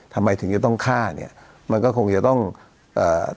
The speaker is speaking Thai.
ทำไมถึงจะต้องฆ่าเนี้ยมันก็คงจะต้องเอ่อ